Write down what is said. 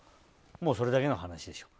それだけの話でしょ。